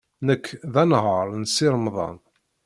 Nekk d anehhaṛ n Si Remḍan.